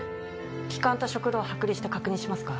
気管と食道剥離して確認しますか？